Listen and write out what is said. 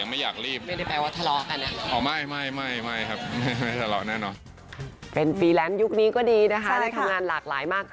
ไม่อยากรีบ